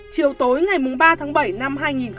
chiều tối ngày ba tháng bảy năm hai nghìn một mươi ba